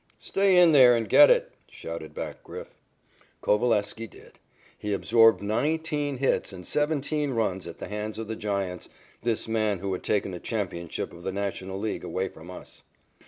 "Stay in there and get it," shouted back Griff. Coveleski did. He absorbed nineteen hits and seventeen runs at the hands of the Giants, this man who had taken a championship of the National League away from us.